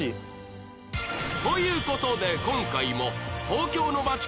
という事で今回も